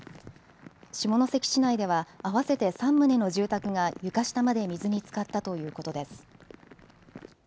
下関市内では合わせて３棟の住宅が床下まで水につかったということです。